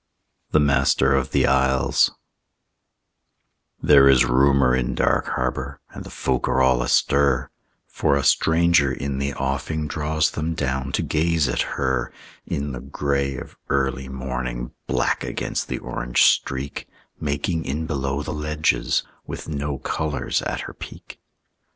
THE MASTER OF THE ISLES There is rumor in Dark Harbor, And the folk are all astir; For a stranger in the offing Draws them down to gaze at her, In the gray of early morning, Black against the orange streak, Making in below the ledges, With no colors at her peak.